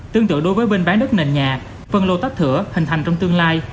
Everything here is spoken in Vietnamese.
tương tự đối với bên bán đất nền nhà phân lô tách thửa hình thành trong tương lai